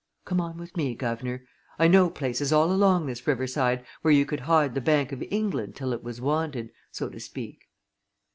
Come on with me, guv'nor I know places all along this riverside where you could hide the Bank of England till it was wanted so to speak."